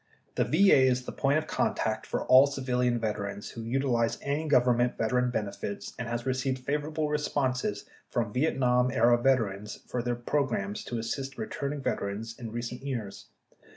The VA is the point of contact for all civilian veterans who utilize any government veteran benefits and has received favorable responses from Vietnam era veterans for their programs to assist returning veterans in recent years.